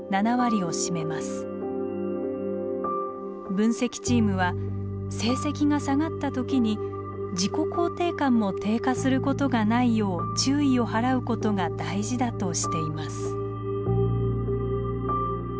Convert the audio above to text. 分析チームは成績が下がった時に自己肯定感も低下することがないよう注意を払うことが大事だとしています。